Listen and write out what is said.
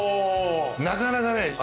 なかなかね。